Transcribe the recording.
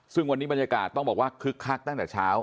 ซึ่งวันนี้บรรยากาศต้องบอกว่าคึกคักตั้งแต่เช้า